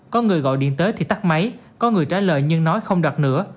có người gọi điện tới thì tắt máy có người trả lời nhưng nói không đặt nữa